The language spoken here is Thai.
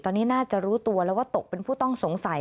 ตอนนี้น่าจะรู้ตัวแล้วว่าตกเป็นผู้ต้องสงสัย